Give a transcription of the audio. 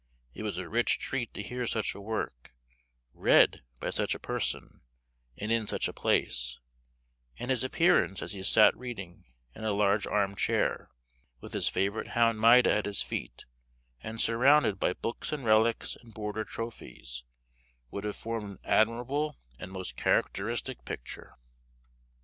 It was a rich treat to hear such a work, read by such a person, and in such a place; and his appearance as he sat reading, in a large armed chair, with his favorite hound Maida at his feet, and surrounded by books and relics, and border trophies, would have formed an admirable and most characteristic picture.